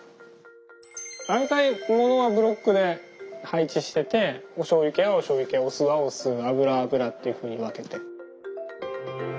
大体物はブロックで配置してておしょうゆ系はおしょうゆ系お酢はお酢油は油っていうふうに分けて。